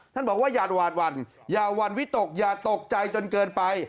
ท่านบอกว่าอย่าหวาดหวั่นอย่าหวั่นวิตกอย่าตกใจจนเกินไป